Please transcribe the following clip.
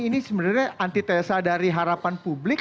ini sebenarnya antitesa dari harapan publik